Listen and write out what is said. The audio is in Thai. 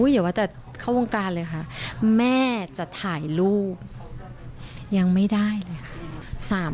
อย่าว่าแต่เข้าวงการเลยค่ะแม่จะถ่ายรูปยังไม่ได้เลยค่ะ